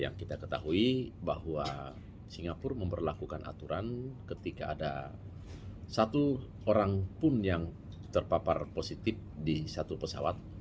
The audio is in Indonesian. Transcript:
yang kita ketahui bahwa singapura memperlakukan aturan ketika ada satu orang pun yang terpapar positif di satu pesawat